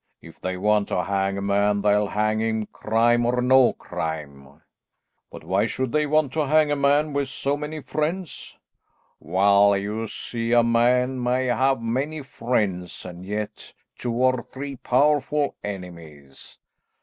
If they want to hang a man, they'll hang him crime or no crime." "But why should they want to hang a man with so many friends?" "Well, you see a man may have many friends and yet two or three powerful enemies.